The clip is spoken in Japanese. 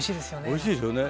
おいしいですよね